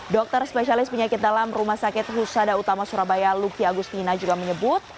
dokter spesialis penyakit dalam rumah sakit husada utama surabaya luki agustina juga menyebut